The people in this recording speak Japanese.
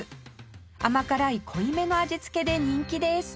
甘辛い濃いめの味付けで人気です